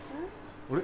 あれ？